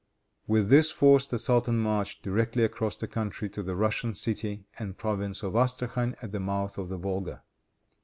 With this force the sultan marched directly across the country to the Russian city and province of Astrachan, at the mouth of the Volga.